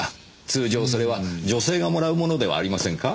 通常それは女性がもらうものではありませんか？